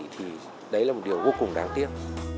thì đấy là một điều vô cùng đáng tiếc